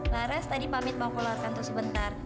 laras tadi pamit mau keluar kantus sebentar